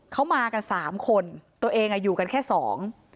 เขามากันสามคนตัวเองอ่ะอยู่กันแค่สอง